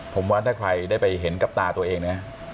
ผมว่าถ้าใครได้ไปเห็นกับตาตัวเองนะ